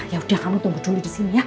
yaudah kamu tunggu dulu disini ya